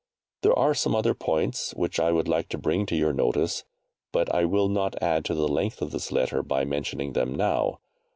There are some other points which I would like to bring to your notice, but I will not add to the length of this letter by mentioning them now.